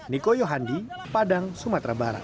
niko yohandi padang sumatera barat